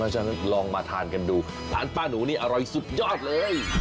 ฉะนั้นลองมาทานกันดูร้านป้าหนูนี่อร่อยสุดยอดเลย